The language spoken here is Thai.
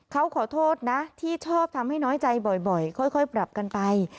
เขาขอโทษนะที่ชอบทำให้น้อยใจบ่อยค่อยปรับกันไป